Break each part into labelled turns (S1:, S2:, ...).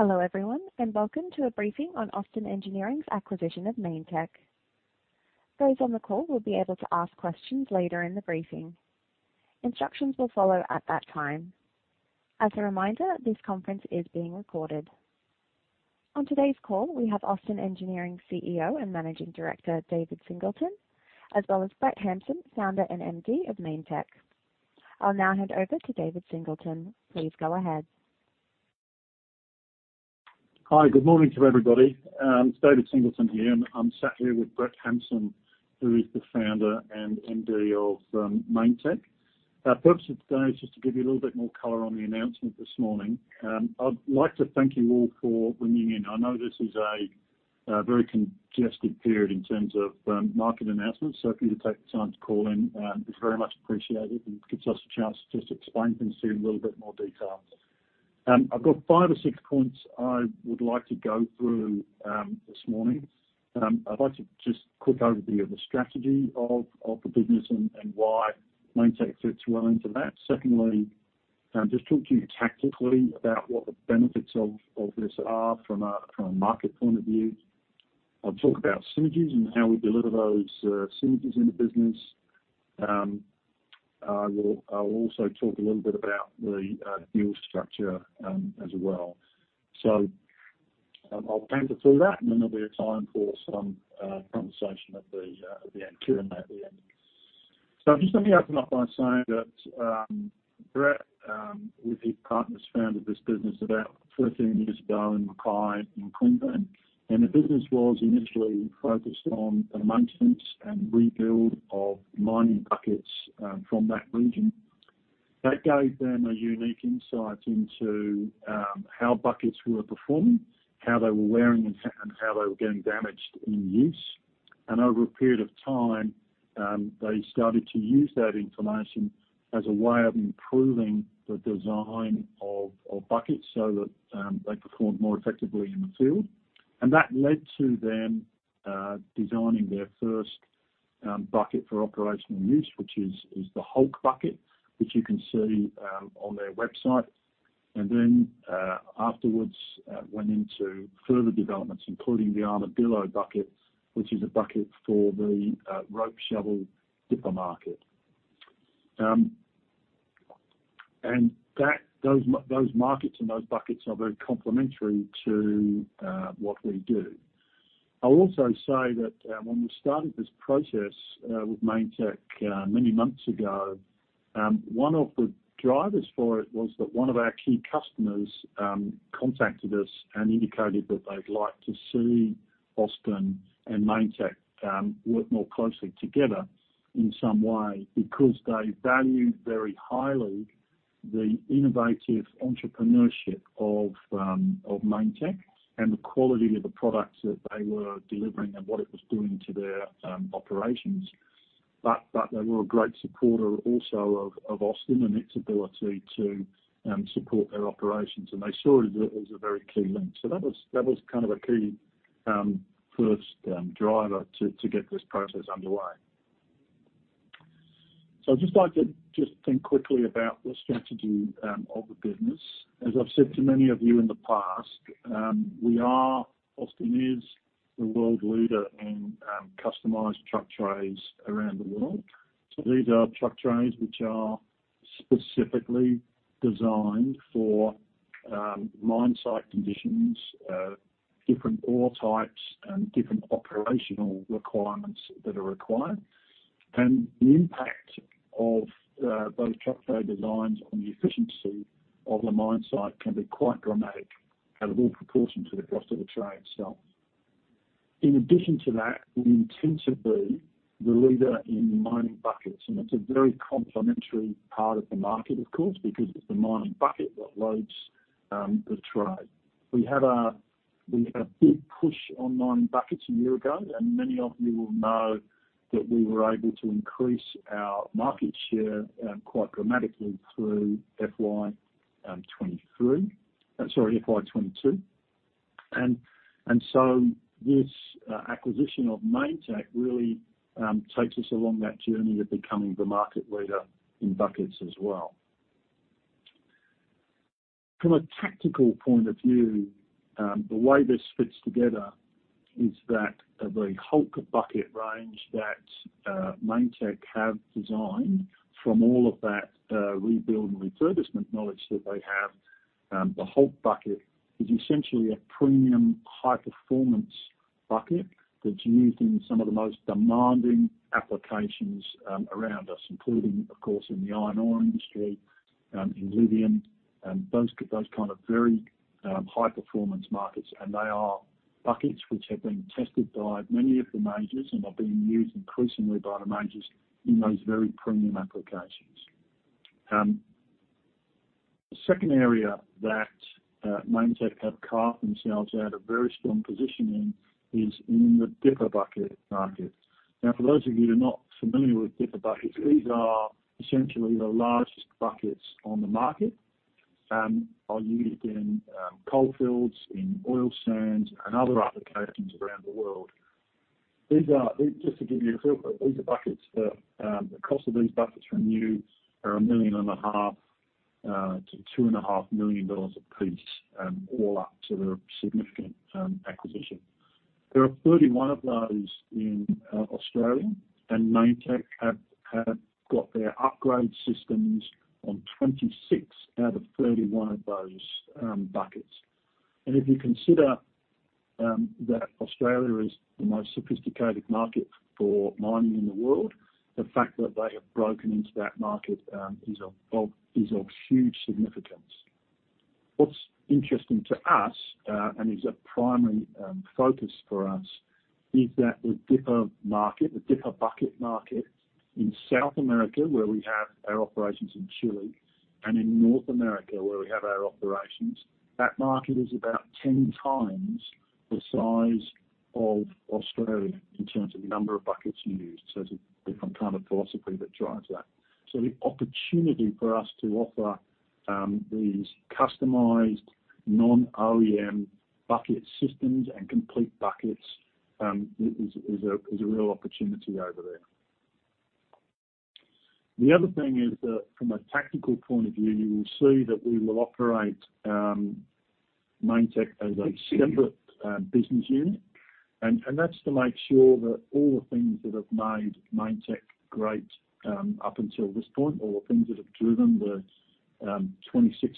S1: Hello everyone, and welcome to a briefing on Austin Engineering's acquisition of Mainetec. Those on the call will be able to ask questions later in the briefing. Instructions will follow at that time. As a reminder, this conference is being recorded. On today's call, we have Austin Engineering CEO and Managing Director, David Singleton, as well as Brett Hampson, Founder, and MD of Mainetec. I'll now hand over to David Singleton. Please go ahead.
S2: Hi. Good morning to everybody. It's David Singleton here, and I'm sat here with Brett Hampson, who is the Founder and MD of Mainetec. Our purpose of today is just to give you a little bit more color on the announcement this morning. I'd like to thank you all for ringing in. I know this is a very congested period in terms of market announcements, so for you to take the time to call in is very much appreciated and gives us a chance to just explain things to you in a little bit more detail. I've got five or six points I would like to go through this morning. I'd like to just quick overview of the strategy of the business and why Mainetec fits well into that. Secondly, just talk to you tactically about what the benefits of this are from a market point of view. I'll talk about synergies and how we deliver those synergies in the business. I will also talk a little bit about the deal structure as well. I'll banter through that and then there'll be a time for some conversation at the end, Q&A at the end. Just let me open up by saying that, Brett, with his partners, founded this business about 13 years ago in Mackay in Queensland. The business was initially focused on the maintenance and rebuild of mining buckets from that region. That gave them a unique insight into how buckets were performing, how they were wearing and how they were getting damaged in use. Over a period of time, they started to use that information as a way of improving the design of buckets so that they performed more effectively in the field. That led to them designing their first bucket for operational use, which is the HULK bucket, which you can see on their website. Then, afterwards, went into further developments, including the ARMADILLO bucket, which is a bucket for the rope shovel dipper market. Those markets and those buckets are very complementary to what we do. I'll also say that when we started this process with Mainetec many months ago one of the drivers for it was that one of our key customers contacted us and indicated that they'd like to see Austin and Mainetec work more closely together in some way because they valued very highly the innovative entrepreneurship of Mainetec and the quality of the products that they were delivering and what it was doing to their operations. They were a great supporter also of Austin and its ability to support their operations and they saw it as a very key link. That was kind of a key first driver to get this process underway. I'd like to think quickly about the strategy of the business. As I've said to many of you in the past, Austin is the world leader in customized truck trays around the world. These are truck trays which are specifically designed for mine site conditions, different ore types and different operational requirements that are required. The impact of those truck tray designs on the efficiency of the mine site can be quite dramatic out of all proportion to the cost of the tray itself. In addition to that, we intend to be the leader in mining buckets, and it's a very complementary part of the market, of course, because it's the mining bucket that loads the tray. We had a big push on mining buckets a year ago, and many of you will know that we were able to increase our market share quite dramatically through FY 2022. Sorry, FY 2022. This acquisition of Mainetec really takes us along that journey of becoming the market leader in buckets as well. From a tactical point of view, the way this fits together is that the HULK bucket range that Mainetec have designed from all of that rebuild and refurbishment knowledge that they have, the HULK bucket is essentially a premium high-performance bucket that's used in some of the most demanding applications around us, including, of course, in the iron ore industry, in lithium, those kind of very high performance markets. They are buckets which have been tested by many of the majors and are being used increasingly by the majors in those very premium applications. The second area that Mainetec have carved themselves out a very strong positioning is in the dipper bucket market. Now, for those of you who are not familiar with dipper buckets, these are essentially the largest buckets on the market, are used in coal fields, in oil sands and other applications around the world. These are. Just to give you a feel for it, these are buckets that the cost of these buckets from OEMs are 1.5 million to 2.5 million dollars a piece, all up to their significant acquisition. There are 31 of those in Australia, and Mainetec have got their upgrade systems on 26 out of 31 of those buckets. If you consider that Australia is the most sophisticated market for mining in the world, the fact that they have broken into that market is of huge significance. What's interesting to us and is a primary focus for us is that the dipper market, the dipper bucket market in South America, where we have our operations in Chile and in North America, where we have our operations, that market is about 10 times the size of Australia in terms of number of buckets used. It's a different kind of philosophy that drives that. The opportunity for us to offer these customized non-OEM bucket systems and complete buckets is a real opportunity over there. The other thing is that from a tactical point of view, you will see that we will operate Mainetec as a separate business unit. That's to make sure that all the things that have made Mainetec great up until this point, all the things that have driven the 26%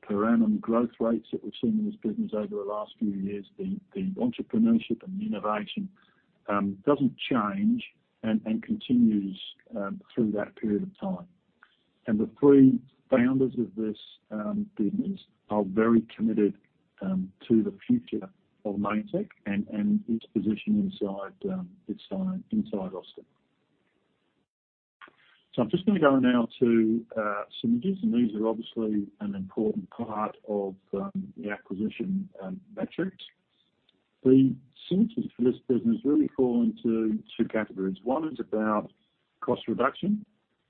S2: per annum growth rates that we've seen in this business over the last few years, the entrepreneurship and the innovation doesn't change and continues through that period of time. The three founders of this business are very committed to the future of Mainetec and its position inside Austin. I'm just gonna go now to synergies, and these are obviously an important part of the acquisition metrics. The synergies for this business really fall into two categories. One is about cost reduction,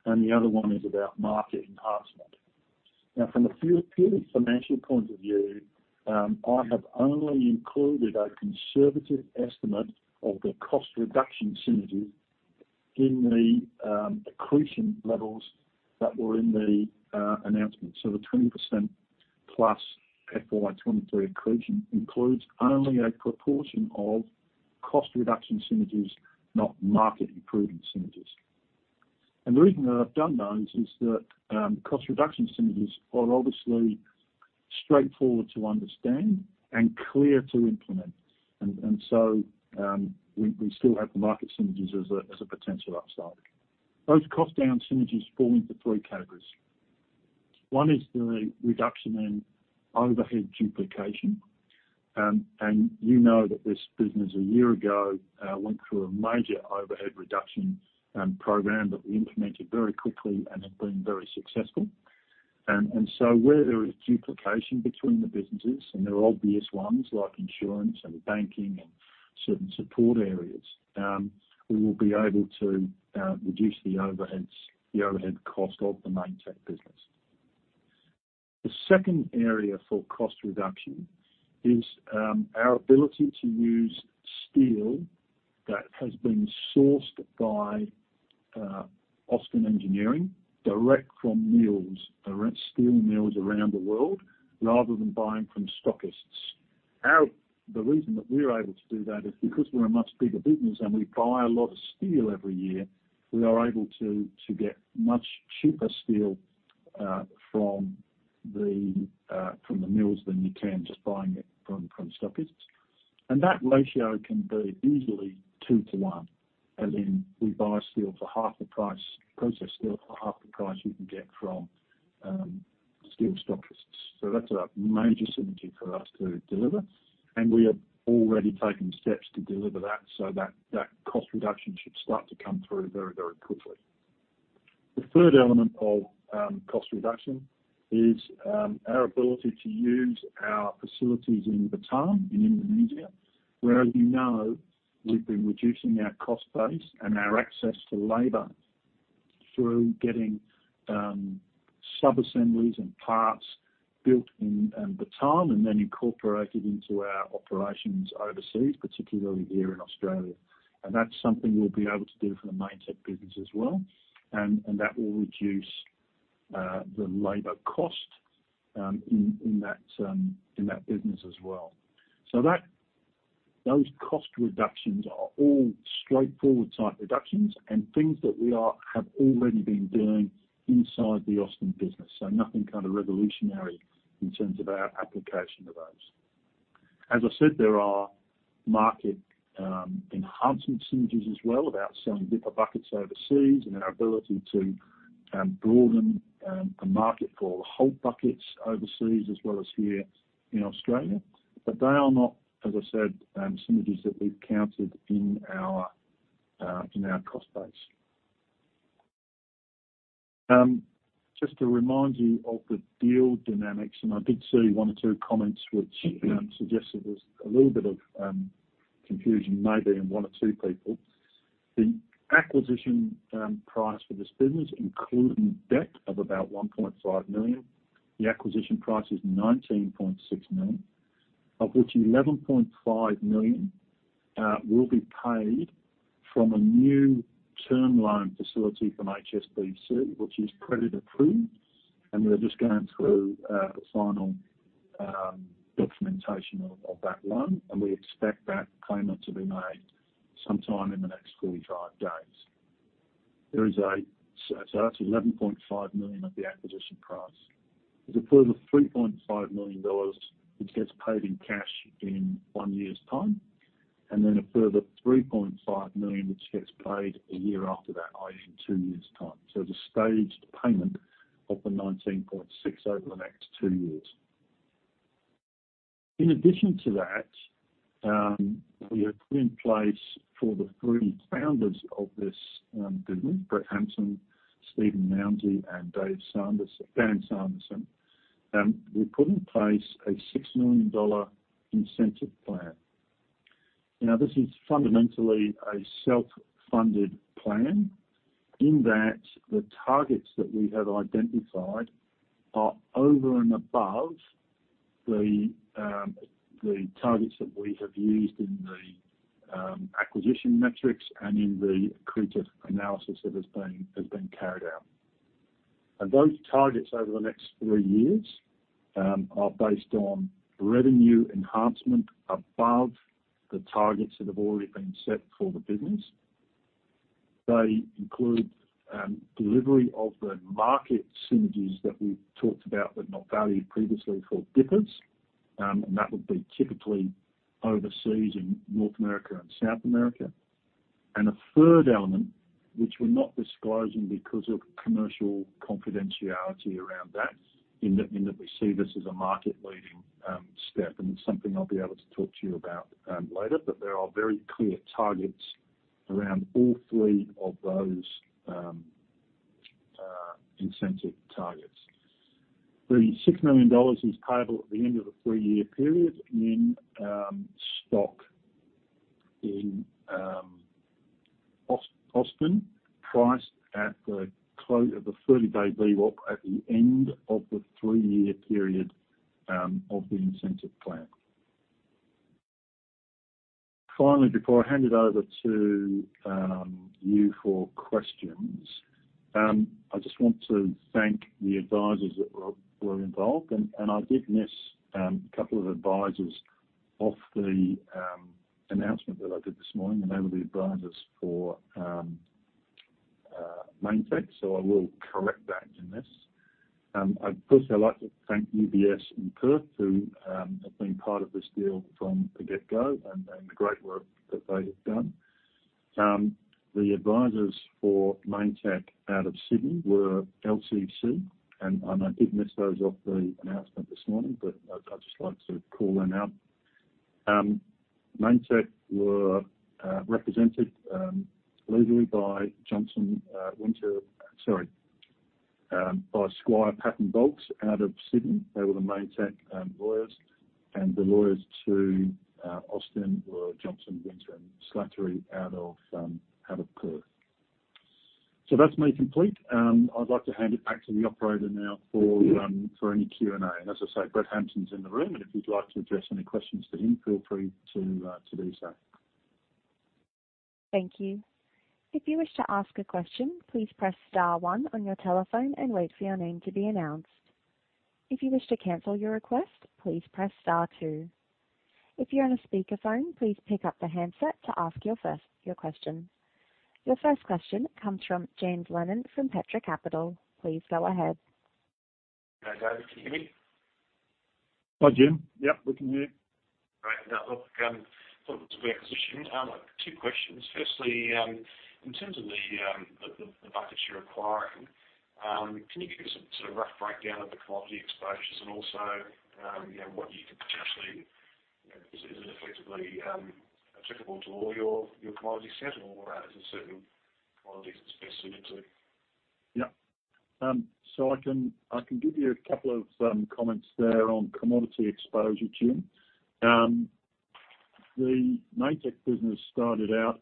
S2: and the other one is about market enhancement. Now, from a purely financial point of view, I have only included a conservative estimate of the cost reduction synergy in the accretion levels that were in the announcement. The 20%+ FY23 accretion includes only a proportion of cost reduction synergies, not market improvement synergies. The reason that I've done that is that cost reduction synergies are obviously straightforward to understand and clear to implement. We still have the market synergies as a potential upside. Those cost down synergies fall into three categories. One is the reduction in overhead duplication. You know that this business a year ago went through a major overhead reduction program that we implemented very quickly and have been very successful. Where there is duplication between the businesses, and there are obvious ones like insurance and banking and certain support areas, we will be able to reduce the overheads, the overhead cost of the Mainetec business. The second area for cost reduction is our ability to use steel that has been sourced by Austin Engineering direct from mills, direct steel mills around the world, rather than buying from stockists. The reason that we're able to do that is because we're a much bigger business and we buy a lot of steel every year, we are able to get much cheaper steel from the mills than you can just buying it from stockists. That ratio can be easily 2-to-1, as in we buy steel for half the price, processed steel for half the price you can get from steel stockists. That's a major synergy for us to deliver, and we have already taken steps to deliver that so that cost reduction should start to come through very, very quickly. The third element of cost reduction is our ability to use our facilities in Batam, in Indonesia, where, as you know, we've been reducing our cost base and our access to labor through getting sub-assemblies and parts built in Batam and then incorporated into our operations overseas, particularly here in Australia. That's something we'll be able to do for the Mainetec business as well. That will reduce the labor cost in that business as well. Those cost reductions are all straightforward type reductions and things that we have already been doing inside the Austin business, so nothing kind of revolutionary in terms of our application of those. As I said, there are market enhancement synergies as well about selling dipper buckets overseas and our ability to broaden the market for the HULK buckets overseas as well as here in Australia. They are not, as I said, synergies that we've counted in our cost base. Just to remind you of the deal dynamics, and I did see one or two comments which suggested there's a little bit of confusion maybe in one or two people. The acquisition price for this business, including debt of about 1.5 million. The acquisition price is 19.6 million, of which 11.5 million will be paid from a new term loan facility from HSBC, which is credit approved. We're just going through the final documentation of that loan. We expect that payment to be made sometime in the next 45 days. That's 11.5 million of the acquisition price. There's a further 3.5 million dollars which gets paid in cash in one year's time, and then a further 3.5 million which gets paid a year after that, i.e., two years' time. There's a staged payment of the 19.6 million over the next two years. In addition to that, we have put in place for the three founders of this business, Brett Hampson, Steve Mounty, and Dan Sanderson, we put in place a 6 million dollar incentive plan. Now, this is fundamentally a self-funded plan in that the targets that we have identified are over and above the targets that we have used in the acquisition metrics and in the accretive analysis that has been carried out. Those targets over the next three years are based on revenue enhancement above the targets that have already been set for the business. They include delivery of the market synergies that we've talked about, but not valued previously for Dippers. That would be typically overseas in North America and South America. A third element, which we're not disclosing because of commercial confidentiality around that, in that we see this as a market-leading step, and it's something I'll be able to talk to you about later. There are very clear targets around all three of those incentive targets. The 6 million dollars is payable at the end of a three-year period in stock in Austin, priced at the 30 day VWAP at the end of the three-year period of the incentive plan. Finally, before I hand it over to you for questions, I just want to thank the advisors that were involved. I did miss a couple of advisors off the announcement that I did this morning, and they were the advisors for Mainetec. I will correct that in this. I personally I'd like to thank UBS in Perth, who have been part of this deal from the get-go and the great work that they have done. The advisors for Mainetec out of Sydney were LCC and I did miss those off the announcement this morning, but I'd just like to call them out. Mainetec were represented legally by Squire Patton Boggs out of Sydney. They were the Mainetec lawyers. The lawyers to Austin were Johnson Winter Slattery out of Perth. That's me complete. I'd like to hand it back to the operator now for any Q&A. As I say, Brett Hampson's in the room, and if you'd like to address any questions to him, feel free to do so.
S1: Thank you. If you wish to ask a question, please press star one on your telephone and wait for your name to be announced. If you wish to cancel your request, please press star two. If you're on a speakerphone, please pick up the handset to ask your question. Your first question comes from James Lennon from Petra Capital. Please go ahead.
S3: Hi, David. Can you hear me?
S2: Hi, James. Yep, we can hear you.
S3: Great. Now, look, on this acquisition, I've two questions. Firstly, in terms of the buckets you're acquiring, can you give us a sort of rough breakdown of the commodity exposures and also, you know, what you could potentially, you know, is it effectively, applicable to all your commodity set or is there certain commodities it's best suited to?
S2: Yeah, I can give you a couple of comments there on commodity exposure, James. The Mainetec business started out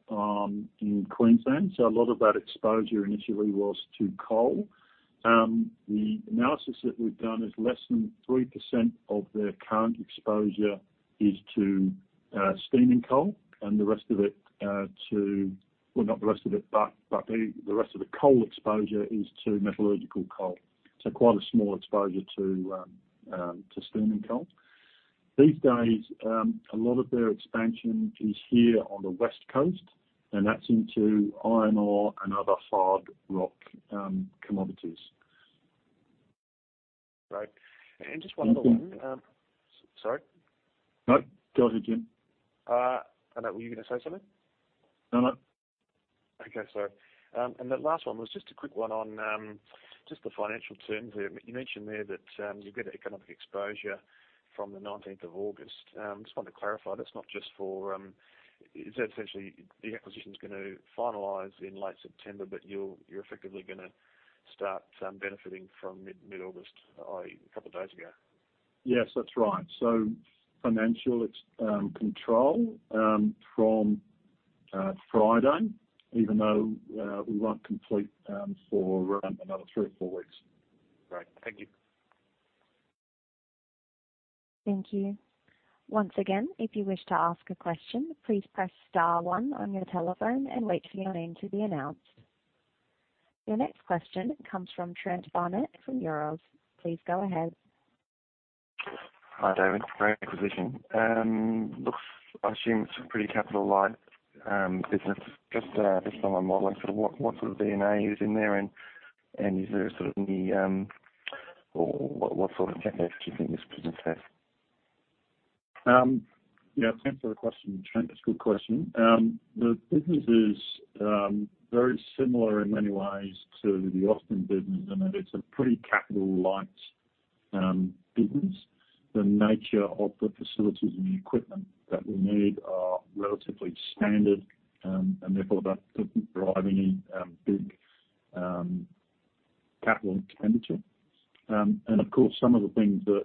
S2: in Queensland, so a lot of that exposure initially was to coal. The analysis that we've done is less than 3% of their current exposure is to steaming coal, and the rest of it to metallurgical coal. Well, not the rest of it, but the rest of the coal exposure is to metallurgical coal, so quite a small exposure to steaming coal. These days, a lot of their expansion is here on the West Coast, and that's into iron ore and other hard rock commodities.
S3: Right. Just one other one,
S2: Yeah.
S3: Sorry?
S2: No. Go ahead, James.
S3: I don't know. Were you gonna say something?
S2: No, no.
S3: Okay. Sorry. The last one was just a quick one on just the financial terms there. You mentioned there that you get economic exposure from the nineteenth of August. Just wanted to clarify that's not just for. Is that essentially the acquisition's gonna finalize in late September, but you're effectively gonna start benefiting from mid-August, i.e., a couple of days ago?
S2: Yes, that's right. Financial control from Friday, even though we won't complete for another three or four weeks.
S3: Great. Thank you.
S1: Thank you. Once again, if you wish to ask a question, please press star one on your telephone and wait for your name to be announced. Your next question comes from Trent Barnett from Euroz Hartleys. Please go ahead.
S4: Hi, David. Great acquisition. I assume it's a pretty capital light business. Just based on my modeling, what sort of D&A is in there and is there sort of any or what sort of CapEx do you think this business has?
S2: Yeah, thanks for the question, Trent. It's a good question. The business is very similar in many ways to the Austin business in that it's a pretty capital light business. The nature of the facilities and the equipment that we need are relatively standard, and therefore that doesn't drive any big capital expenditure. Of course, some of the things that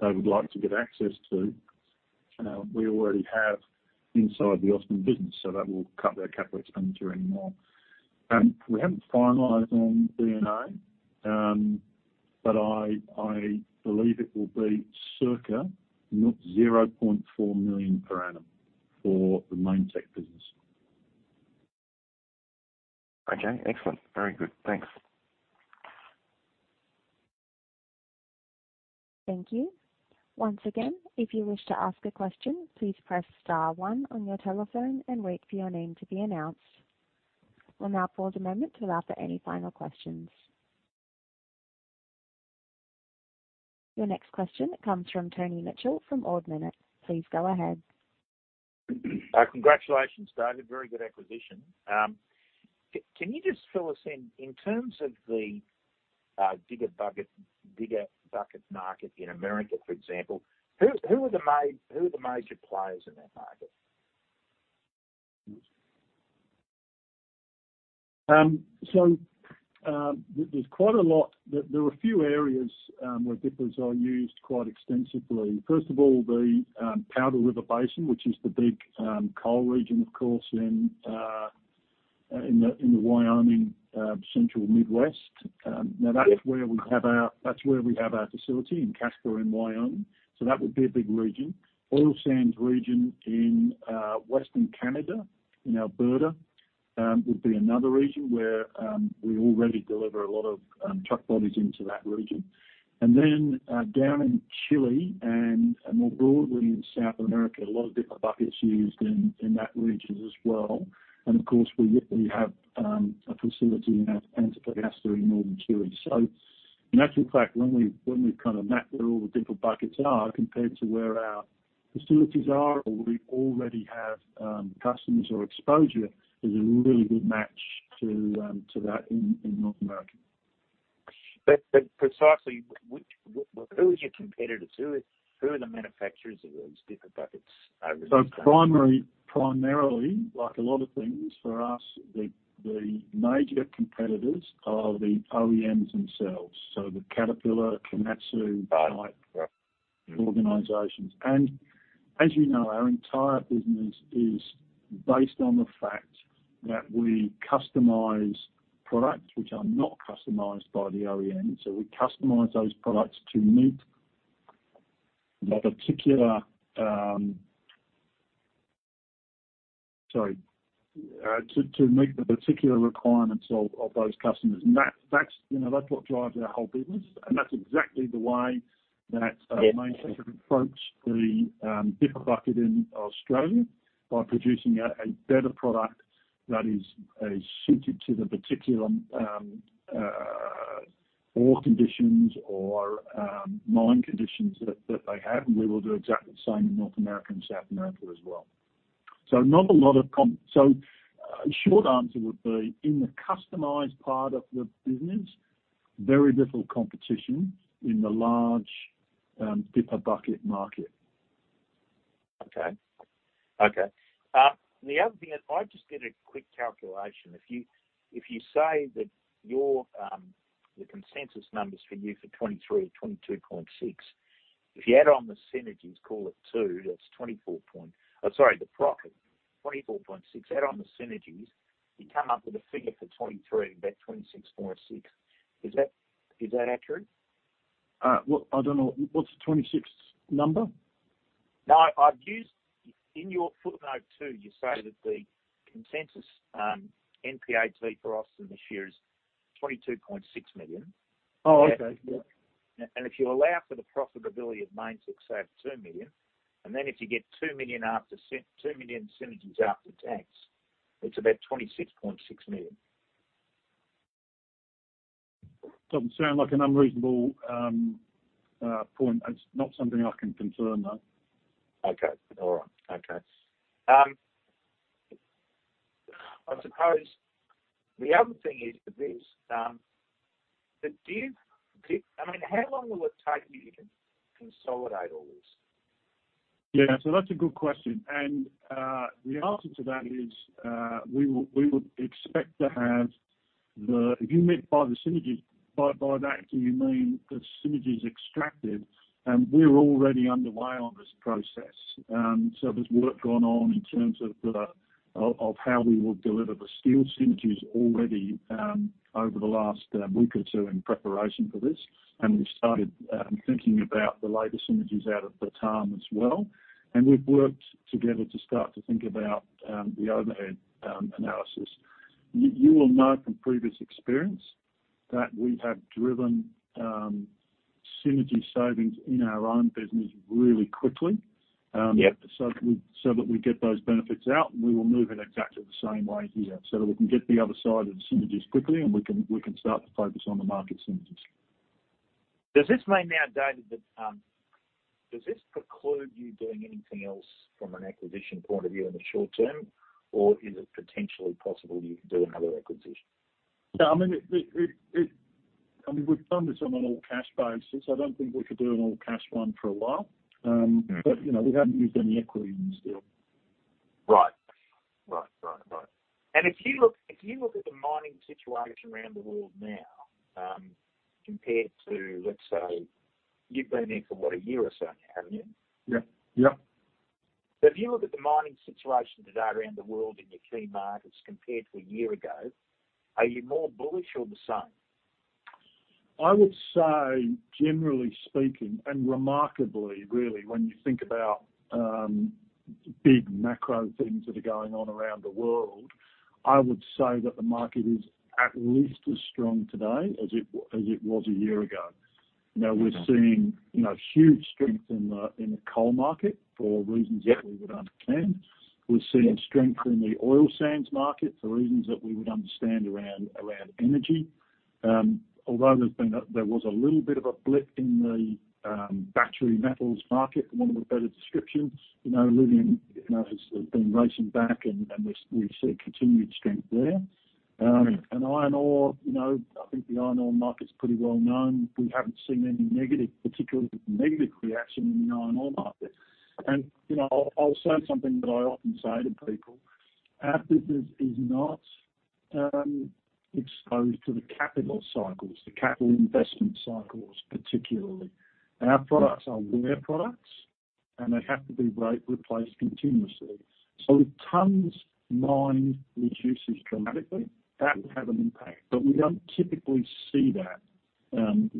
S2: they would like to get access to, we already have inside the Austin business, so that will cut their capital expenditure anymore. We haven't finalized on D&A, but I believe it will be circa 0.4 million per annum for the Mainetec business.
S4: Okay, excellent. Very good. Thanks.
S1: Thank you. Once again, if you wish to ask a question, please press star one on your telephone and wait for your name to be announced. We'll now pause a moment to allow for any final questions. Your next question comes from Tony Mitchell from Ord Minnett. Please go ahead.
S5: Congratulations, David. Very good acquisition. Can you just fill us in terms of the dipper bucket market in America, for example, who are the major players in that market?
S2: There's quite a lot. There are a few areas where dippers are used quite extensively. First of all, the Powder River Basin, which is the big coal region, of course, in the Wyoming central Midwest. Now that's where we have our facility in Casper in Wyoming. That would be a big region. Oil sands region in western Canada, in Alberta, would be another region where we already deliver a lot of truck bodies into that region. Then down in Chile and more broadly in South America, a lot of dipper buckets used in that region as well. Of course, we literally have a facility in Antofagasta in northern Chile. In actual fact, when we kind of map where all the dipper buckets are compared to where our facilities are or we already have customers or exposure, there's a really good match to that in North America.
S5: Precisely, who are your competitors? Who are the manufacturers of these dipper buckets over in the States?
S2: Primarily, like a lot of things for us, the major competitors are the OEMs themselves. The Caterpillar, Komatsu-
S5: Right.
S2: Type organizations. As you know, our entire business is based on the fact that we customize products which are not customized by the OEM. We customize those products to meet the particular requirements of those customers. That's, you know, that's what drives our whole business. That's exactly the way that.
S5: Yes.
S2: Mainetec have approached the dipper bucket in Australia by producing a better product that is suited to the particular ore conditions or mine conditions that they have. We will do exactly the same in North America and South America as well. Short answer would be in the customized part of the business, very little competition in the large dipper bucket market.
S5: The other thing is I just did a quick calculation. If you say that the consensus numbers for you for 2023 or 22.6, if you add on the synergies, call it 2, that's 24.6. Oh, sorry, the profit, 24.6. Add on the synergies, you come up with a figure for 2023, about 26.6. Is that accurate?
S2: Well, I don't know. What's the 26 number?
S5: No. In your footnote two, you say that the consensus NPAT for Austin this year is 22.6 million.
S2: Oh, okay. Yeah.
S5: If you allow for the profitability of Mainetec, say 2 million, and then if you get 2 million synergies after tax, it's about 26.6 million.
S2: Doesn't sound like an unreasonable point. It's not something I can confirm, though.
S5: I suppose the other thing is with this, I mean, how long will it take you to consolidate all this?
S2: Yeah. That's a good question. The answer to that is, we would expect to have, if you meant by the synergies, by that, do you mean the synergies extracted? We're already underway on this process. There's work gone on in terms of how we will deliver the steel synergies already, over the last week or two in preparation for this. We've started thinking about the latest synergies out of Batam as well. We've worked together to start to think about the overhead analysis. You will know from previous experience that we have driven synergy savings in our own business really quickly.
S5: Yep.
S2: That we get those benefits out, and we will move in exactly the same way here so that we can get the other side of the synergies quickly, and we can start to focus on the market synergies.
S5: Does this mean now, David, that does this preclude you doing anything else from an acquisition point of view in the short term? Or is it potentially possible you can do another acquisition?
S2: No, I mean, we've done this on an all-cash basis. I don't think we could do an all-cash one for a while.
S5: Yeah.
S2: You know, we haven't used any equity in this deal.
S5: Right. If you look at the mining situation around the world now, compared to, let's say, you've been there for, what? A year or so, haven't you?
S2: Yep, yep.
S5: If you look at the mining situation today around the world in your key markets compared to a year ago, are you more bullish or the same?
S2: I would say, generally speaking, and remarkably really, when you think about big macro things that are going on around the world, I would say that the market is at least as strong today as it was a year ago. You know.
S5: Okay.
S2: We're seeing, you know, huge strength in the coal market for reasons that we would understand. We're seeing strength in the oil sands market for reasons that we would understand around energy. Although there was a little bit of a blip in the battery metals market, for want of a better description. You know, lithium, you know, has been racing back and we're see continued strength there. Iron ore, you know, I think the iron ore market's pretty well-known. We haven't seen any negative, particularly negative reaction in the iron ore market. You know, I'll say something that I often say to people. Our business is not exposed to the capital cycles, the capital investment cycles, particularly. Our products are wear products, and they have to be replaced continuously. If tons mined reduces dramatically, that would have an impact, but we don't typically see that,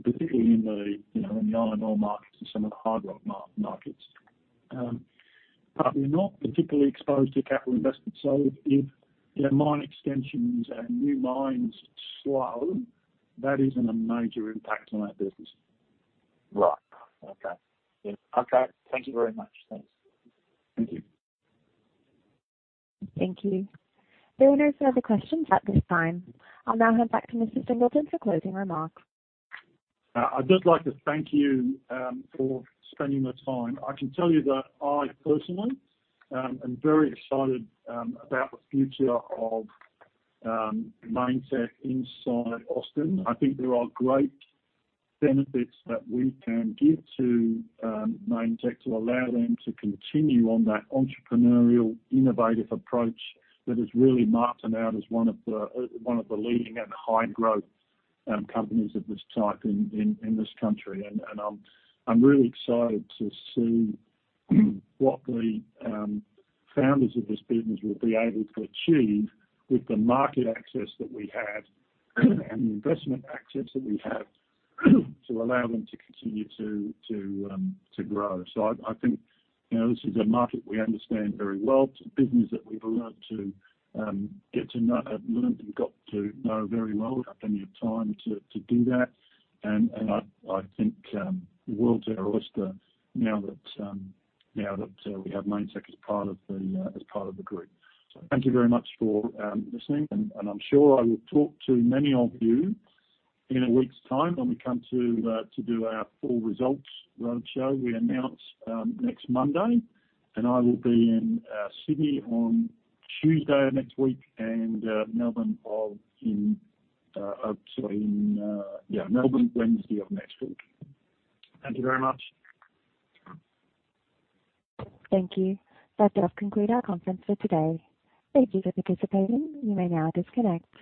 S2: particularly in the, you know, in the iron ore markets and some of the hard rock markets. We're not particularly exposed to capital investment. If you know mine extensions and new mines slow, that isn't a major impact on our business.
S5: Right. Okay.
S2: Yeah.
S5: Okay. Thank you very much. Thanks.
S2: Thank you.
S1: Thank you. There are no further questions at this time. I'll now hand back to Mr. Singleton for closing remarks.
S2: I'd just like to thank you for spending the time. I can tell you that I personally am very excited about the future of Mainetec inside Austin. I think there are great benefits that we can give to Mainetec to allow them to continue on that entrepreneurial, innovative approach that has really marked them out as one of the leading and high-growth companies of this type in this country. I'm really excited to see what the founders of this business will be able to achieve with the market access that we have and the investment access that we have to allow them to continue to grow. I think, you know, this is a market we understand very well. It's a business that we've learned and got to know very well. We've had plenty of time to do that. I think the world's our oyster now that we have Mainetec as part of the group. Thank you very much for listening. I'm sure I will talk to many of you in a week's time when we come to do our full results roadshow we announce next Monday. I will be in Sydney on Tuesday next week and Melbourne on Wednesday next week. Thank you very much.
S1: Thank you. That does conclude our conference for today. Thank you for participating. You may now disconnect.